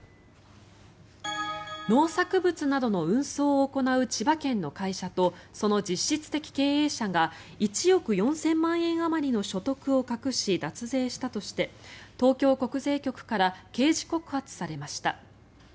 農作物などの運送を行う千葉県の会社とその実質的経営者が１億４０００万円あまりの所得を隠し、脱税したとして東京国税局から刑事告発されました。